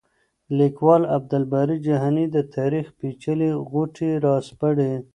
لیکوال عبدالباري جهاني د تاریخ پېچلې غوټې راسپړي.